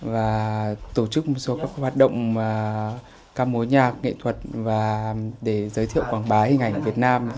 và tổ chức một số các hoạt động ca mối nhạc nghệ thuật và để giới thiệu quảng bá hình ảnh việt nam